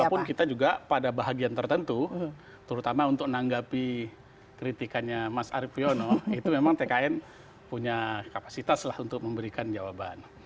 walaupun kita juga pada bahagian tertentu terutama untuk menanggapi kritikannya mas arief priyono itu memang tkn punya kapasitas lah untuk memberikan jawaban